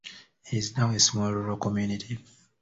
It is now a small rural community.